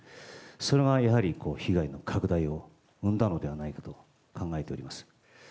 それがやはり被害の拡大を生んだのではないかと考えております。